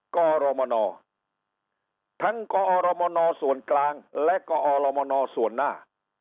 กรมนทั้งกอรมนส่วนกลางและกอรมนส่วนหน้า